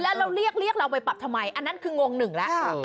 แล้วเราเรียกเราไปปรับทำไมอันนั้นคืองงหนึ่งแล้ว